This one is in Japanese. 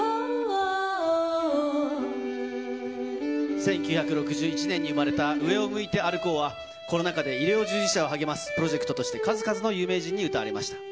１９６１年に生まれた上を向いて歩こうは、コロナ禍で医療従事者を励ますプロジェクトとして、数々の有名人に歌われました。